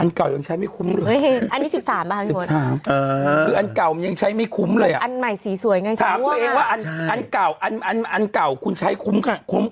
อันเก่ายังใช้ไม่คุ้มเลยอันนี้สิบสามป่ะสิบสามเออคืออันเก่ามันยังใช้ไม่คุ้มเลยอะอันใหม่สีสวยไงถามตัวเองว่าอันอันอันอันเก่าคุณใช้คุ้มค่ะ